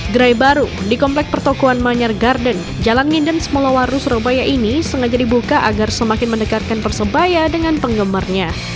gerai baru di komplek pertokohan manyar garden jalan nginden semolawaru surabaya ini sengaja dibuka agar semakin mendekatkan persebaya dengan penggemarnya